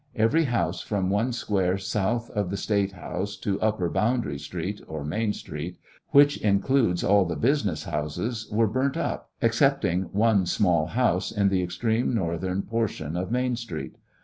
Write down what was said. Every house from one square south of the State house to Upper Boundary street or Main street, which includes all the business houses, were burnt up, excepting one small house in the extreme northern portion of Main street.